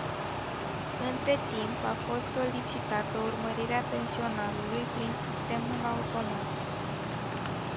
Între timp a fost solicitată urmărirea pensionarului, prin sistemul automat.